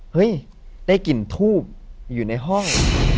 เฮ้ยได้กลิ่นทูบอยู่ในห้อง